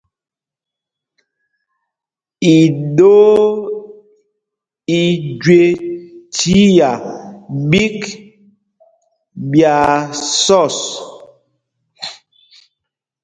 Iɗoo i jüé chiá ɓîk ɓyaa sɔs.